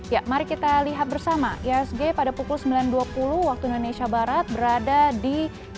ya mari kita lihat bersama ihsg pada pukul sembilan dua puluh waktu indonesia barat berada di